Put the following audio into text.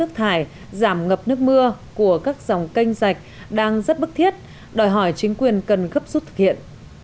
nước thải giảm ngập nước mưa của các dòng canh rạch đang rất bức thiết đòi hỏi chính quyền cần gấp rút thực hiện